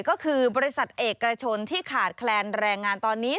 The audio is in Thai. ก็คือบริษัทเอกชนที่ขาดแคลนแรงงานตอนนี้